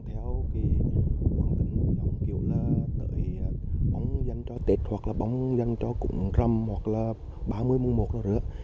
hoặc là bóng dân cho tết hoặc là bóng dân cho cũng râm hoặc là ba mươi mùa một nữa